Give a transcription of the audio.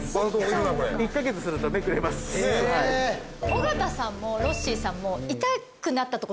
尾形さんもロッシーさんも絶対。